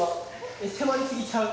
えっ迫りすぎちゃう？